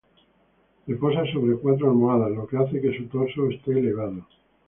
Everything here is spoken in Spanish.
Reposa sobre cuatro almohadas, lo que hace que su torso este elevado.